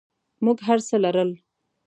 موږ هرڅه لرل.